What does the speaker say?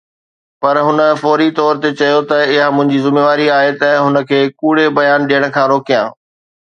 پر هن فوري طور تي چيو ته اها منهنجي ذميواري آهي ته هن کي ڪوڙي بيان ڏيڻ کان روڪيان.